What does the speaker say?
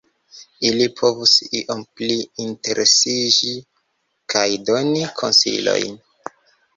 Ili povus iom pli interesiĝi kaj doni konsilojn.